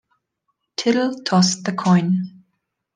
Tittle tossed the coin.